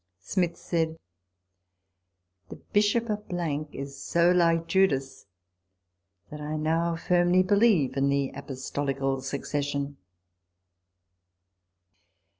Smith said, "The Bishop of is so like Judas, that I now firmly believe in the Apostolical Suc cession."